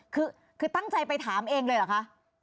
คือตั้งใจไปถามเองเลยเหรอคะ